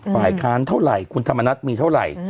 ฝ่ายค้านเท่าไหร่คุณธรรมนัฐมีเท่าไหร่